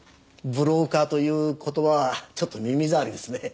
ブローカーという言葉はちょっと耳障りですね。